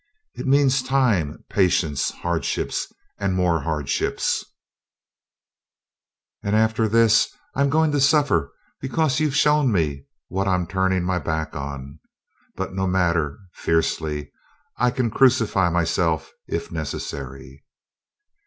It means time, patience, hardships and more hardships; and after this I'm going to suffer because you've shown me what I'm turning my back on. But no matter," fiercely, "I can crucify myself, if necessary!"